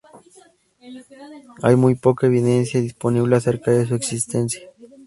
Hay muy poca evidencia disponible acerca de su existencia.